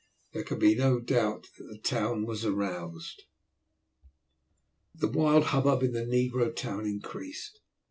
There could be no doubt that the town was aroused. The wild hubbub in the negro town increased.